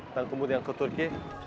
dan kemudian ke turki